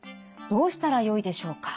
どうしたらよいでしょうか。